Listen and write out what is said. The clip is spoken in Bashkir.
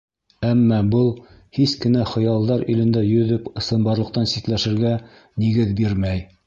Әммә был һис кенә лә хыялдар илендә йөҙөп, ысынбарлыҡтан ситләшергә нигеҙ бирмәй.